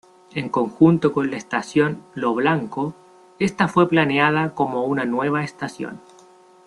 En conjunto con la estación Lo Blanco, esta fue planeada como una nueva estación.